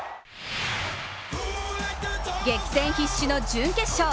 激戦必至の準決勝。